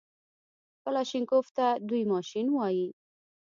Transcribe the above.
کلاشينکوف ته دوى ماشين وايي.